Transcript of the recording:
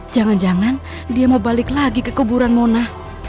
jangan jangan dia mau balik lagi ke kuburan mona